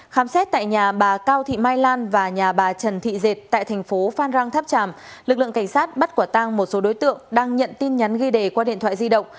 khám xét tại nhà bà cao thị mai lan và nhà bà trần thị dệt tại thành phố phan rang tháp tràm lực lượng cảnh sát bắt quả tang một số đối tượng đang nhận tin nhắn ghi đề qua điện thoại di động